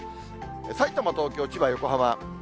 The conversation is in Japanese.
さいたま、東京、千葉、横浜。